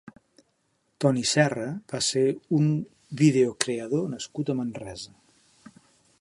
Toni Serra va ser un videocreador nascut a Manresa.